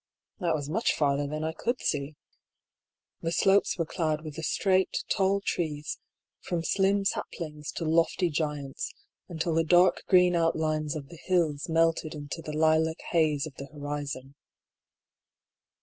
That was much farther than I could see. The slopes were clad with the straight, tall trees, from slim saplings to lofty giants, until the dark green outlines of the hills melted into the lilac haze of the horizon.